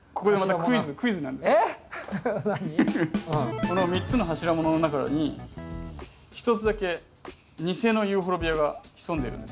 この３つの柱物の中に一つだけ偽のユーフォルビアが潜んでいるんです。